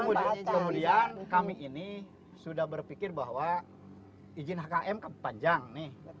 jadi kemudian kami ini sudah berpikir bahwa izin kkm kan panjang nih